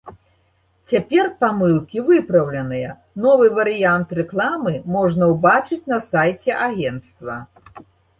Цяпер памылкі выпраўленыя, новы варыянт рэкламы можна ўбачыць на сайце агенцтва.